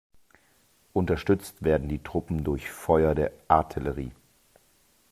Unterstützt werden die Truppen durch Feuer der Artillerie.